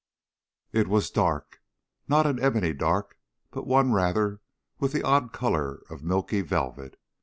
It was dark. Not an ebony dark but one, rather, with the odd color of milky velvet.